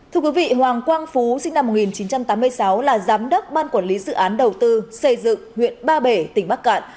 thưa quý vị hoàng quang phú sinh năm một nghìn chín trăm tám mươi sáu là giám đốc ban quản lý dự án đầu tư xây dựng huyện ba bể tỉnh bắc cạn